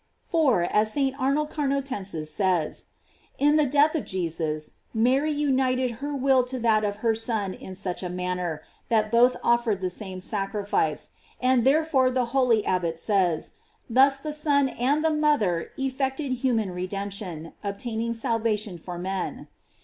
" For, as St. Arnold Carnotensis says: In the death of Jesus, Mary united her will to that of her Son in such a manner, that both offered the same sacrifice; and therefore the holy ab bot says, that thus the Son and the mother effect ed human redemption, obtaining salvation for men.